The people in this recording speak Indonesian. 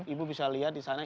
ibu bisa lihat di sana